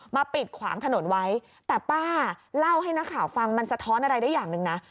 ปิดขวางถนนไว้แต่ป้าเล่าให้นักข่าวฟังมันสะท้อนอะไรได้อย่างหนึ่งนะ